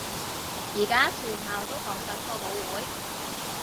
而家全校都講緊個舞會